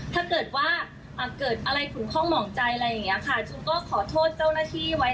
แต่ว่าคือก็ทราบว่าทุกคนทุกฝ่ายทำงานกันเต็มที่แล้ว